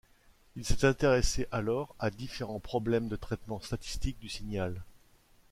Il s'est intéressé alors à différents problèmes de traitement statistique du signal.